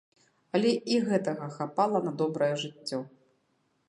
Але і гэтага хапала на добрае жыццё.